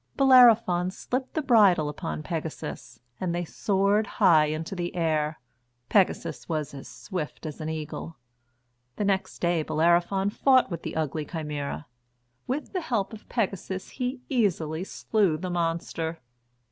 Bellerophon slipped the bridle upon Pegasus and they soared high into the air. Pegasus was as swift as an eagle. The next day Bellerophon fought with the ugly Chimæra. With the help of Pegasus he easily slew the monster.